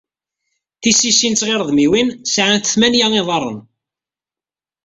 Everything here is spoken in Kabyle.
Tisisin d tɣiredmiwin sεant tmenya iḍarren.